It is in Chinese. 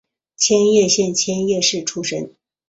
千叶县千叶市出身。